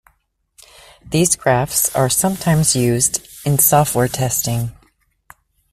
These graphs are sometimes used in software testing.